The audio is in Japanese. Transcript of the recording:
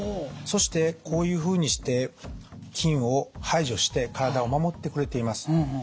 そしてこういうふうにして菌を排除して体を守ってくれています。